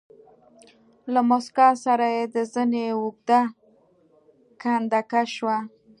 له موسکا سره يې د زنې اوږده کنده کش شوه.